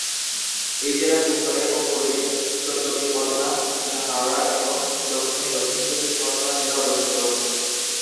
এই জেলার উত্তরে ও পূর্বে উত্তর চব্বিশ পরগনা, পশ্চিমে হাওড়া এবং দক্ষিণে দক্ষিণ চব্বিশ পরগনা জেলা অবস্থিত।